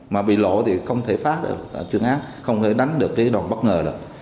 mà bị lộ thì không thể phá được trường án không thể đánh được cái đòn bất ngờ được